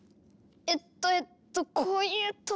えっとえっとこういう時は。